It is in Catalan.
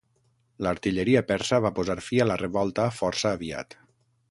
L'artilleria persa va posar fi a la revolta força aviat.